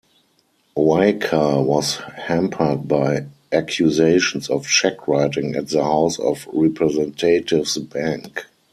Oakar was hampered by accusations of check writing at the House of Representatives Bank.